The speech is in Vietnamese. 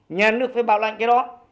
nhà nước phải bảo lại cái đó